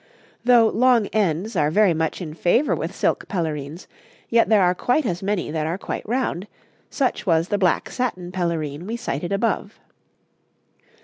Though long ends are very much in favour with silk pelerines, yet there are quite as many that are quite round; such was the black satin pelerine we cited above.